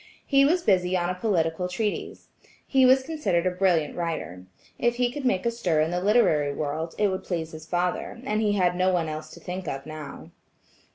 He was busy on a political treatise. He was considered a brilliant writer. If he could make a stir in the literary world, it would please his father, and he had no one else to think of now.